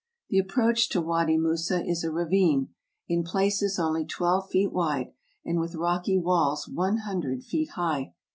The approach to Wady Moussa is a ravine, in places only twelve feet wide, and with rocky walls one hundred feet high.